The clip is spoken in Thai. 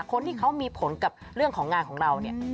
คนที่เขามีผลกับเรื่องของงานของเราเนี่ย